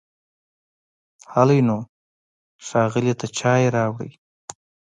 هلی نو، ښاغلي ته چای راوړئ!